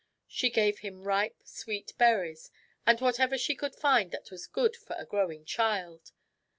She gave him ripe, sweet berries and what ever she could find that was good for a growing child.